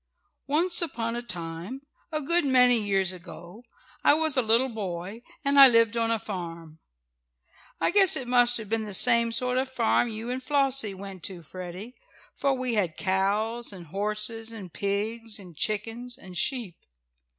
Once upon a time, a good many years ago, I was a little boy, and I lived on a farm. I guess it must have been the same sort of a farm you and Flossie went to, Freddie, for we had cows and horses and pigs and chickens and sheep.